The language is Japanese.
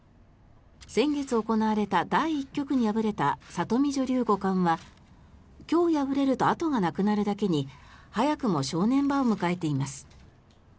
先月行われた第１局に敗れた里見女流五冠は今日敗れると後がなくなるだけに早くも正念場を迎えています。